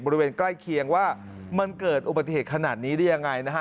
บริเวณใกล้เคียงว่ามันเกิดอุบัติเหตุขนาดนี้ได้ยังไงนะฮะ